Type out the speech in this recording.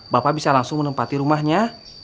bapak bisa langsung menempati rumahnya